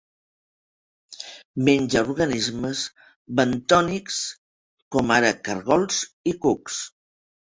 Menja organismes bentònics, com ara caragols i cucs.